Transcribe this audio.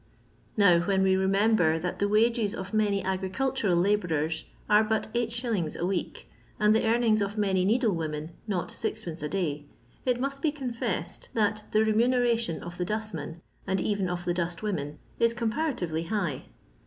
Now, when we remember that the wages of many agricultural labouren are but Si. a week, and the earnings of many needlewomen not 6d. a day, it must be confessed that the remuneration of the dustmen, and even of the dustwomen, is comparatively high.